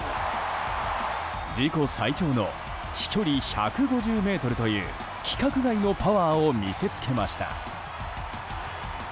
自己最長の飛距離１５０ｍという規格外のパワーを見せつけました。